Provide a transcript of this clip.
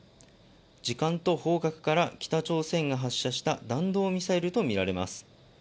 時間と方角から北朝鮮が発射した弾道ミサイルとみられます。